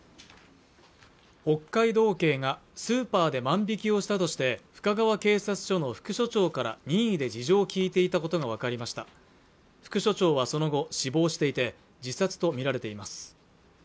北海道警がスーパーで万引きをしたとして深川警察署の副署長から任意で事情を聞いていたことが分かりました副署長はその後、死亡していて自殺と見られています